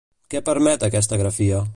Què permet aquesta grafia?